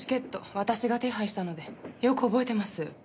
私が手配したのでよく覚えてます。